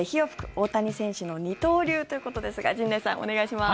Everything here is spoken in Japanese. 大谷選手の二刀流ということですが陣内さん、お願いします。